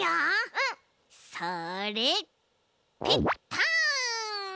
うん！それペッタン！